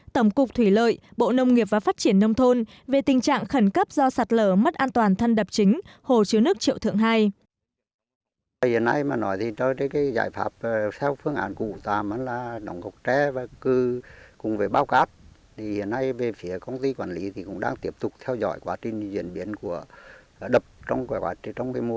tổng cục thủy lợi bộ nông nghiệp và phát triển nông thôn về tình trạng khẩn cấp do sạt lở mất an toàn thân đập chính hồ chứa nước triệu thượng ii